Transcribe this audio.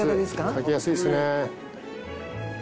書きやすいっすね。